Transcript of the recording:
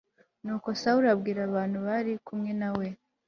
nuko sawuli abwira abantu bari kumwe na we